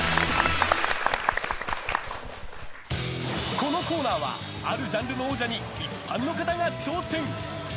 このコーナーはあるジャンルの王者に一般の方が挑戦。